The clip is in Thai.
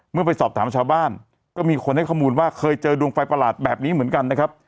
ไปสอบถามชาวบ้านก็มีคนให้ข้อมูลว่าเคยเจอดวงไฟประหลาดแบบนี้เหมือนกันนะครับ